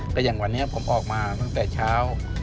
แต่อย่างวันนี้ผมออกมาตั้งแต่เช้า